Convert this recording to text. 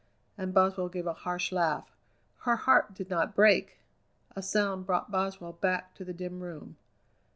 and Boswell gave a harsh laugh "her heart did not break!" A sound brought Boswell back to the dim room.